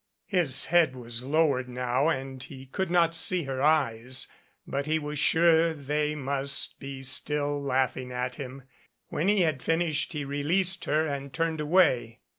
Her head was lowered now and he could not see her eyes, but he was sure they must be still laughing at him. When he had finished he released her and turned away.